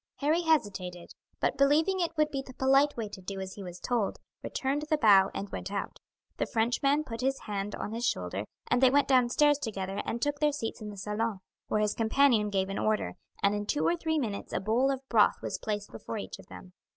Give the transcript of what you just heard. Harry hesitated, but believing it would be the polite way to do as he was told, returned the bow and went out. The Frenchman put his hand on his shoulder, and they went down stairs together and took their seats in the salon, where his companion gave an order, and in two or three minutes a bowl of broth was placed before each of them.